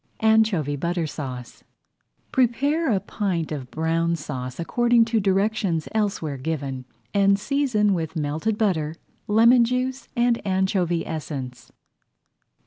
ANCHOVY BUTTER SAUCE Prepare a pint of Brown Sauce according to directions elsewhere [Page 15] given and season with melted butter, lemon juice, and anchovy essence.